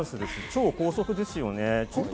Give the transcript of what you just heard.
超高速ですよね。